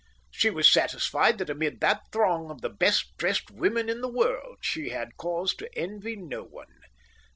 She was satisfied that amid that throng of the best dressed women in the world she had cause to envy no one.